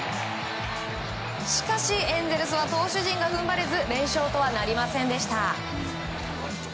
しかし、エンゼルスは投手陣が踏ん張れず連勝とはなりませんでした。